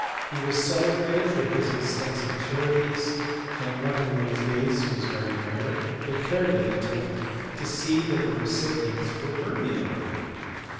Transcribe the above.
He was celebrated for his extensive charities, and, what in those days was very rare, the care that he took to see that the recipients were worthy of them.